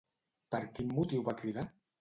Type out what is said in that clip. Per quin motiu va cridar?